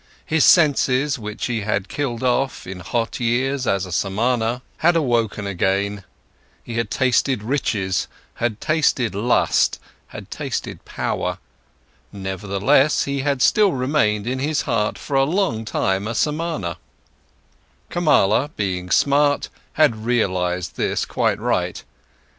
His senses, which he had killed off in hot years as a Samana, had awoken again, he had tasted riches, had tasted lust, had tasted power; nevertheless he had still remained in his heart for a long time a Samana; Kamala, being smart, had realized this quite right.